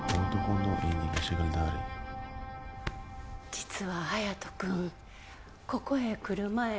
実は隼人君ここへ来る前